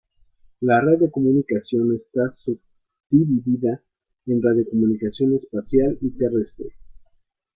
La radiocomunicación está subdividida en radiocomunicación espacial y terrestre.